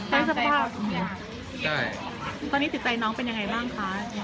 ตอนนี้ติดใจน้องเป็นยังไงบ้างคะ